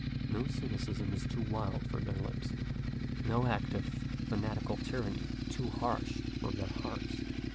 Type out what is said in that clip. No cynicism is too wild for their lips, no act of fanatical tyranny too harsh for their hearts.